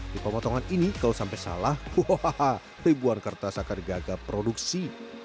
di pemotongan ini kalau sampai salah ribuan kertas akan gagal produksi